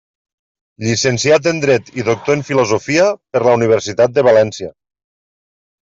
Llicenciat en dret i doctor en filosofia per la Universitat de València.